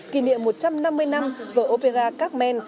kỷ niệm một trăm năm mươi năm vở opera carmen